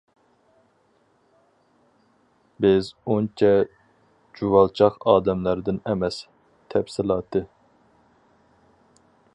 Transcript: بىز ئۇنچە چۇۋالچاق ئادەملەردىن ئەمەس. تەپسىلاتى.